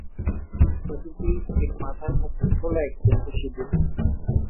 প্রতিটি স্ত্রীর মাথার মুকুট হলো, এক চিমটি সিদুর।